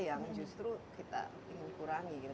yang justru kita ingin kurangi gitu